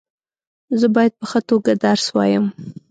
زه باید په ښه توګه درس وایم.